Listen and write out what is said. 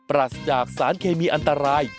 รัสจากสารเคมีอันตราย